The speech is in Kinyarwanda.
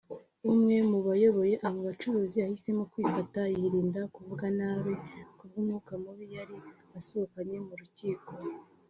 umwe mu bayoboye aba bacuruzi yahisemo kwifata yirinda kuvuga nabi kubw’umwuka mubi yari asohokanye mu rukiko